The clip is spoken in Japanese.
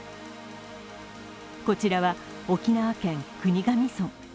こちらは沖縄県国頭村。